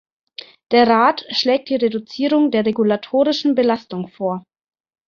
Der Rat schlägt die Reduzierung der regulatorischen Belastung vor.